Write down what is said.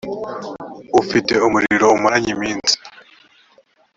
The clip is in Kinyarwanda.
ufite umuriro umaranye iminsi